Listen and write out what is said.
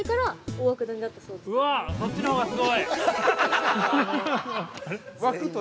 ◆うわっ、そっちのほうがすごい。